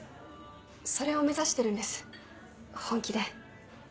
それを目指してるんです本気で。